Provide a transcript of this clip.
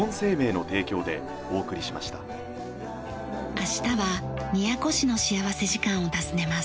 明日は宮古市の幸福時間を訪ねます。